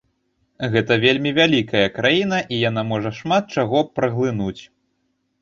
Гэта вельмі вялікая краіна, і яна можа шмат чаго праглынуць.